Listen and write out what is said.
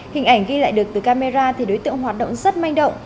hình ảnh ghi lại được từ camera thì đối tượng hoạt động rất manh động